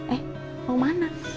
eh mau ke mana